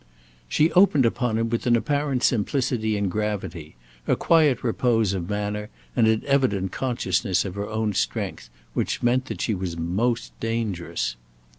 She opened upon him with an apparent simplicity and gravity, a quiet repose of manner, and an evident consciousness of her own strength, which meant that she was most dangerous.